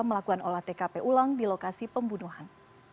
melakukan olah tkp ulang di lokasi pembunuhan